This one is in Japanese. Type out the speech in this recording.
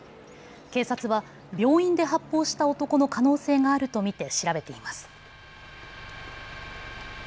警察は病院で発砲した男の可能性があると見て調べています。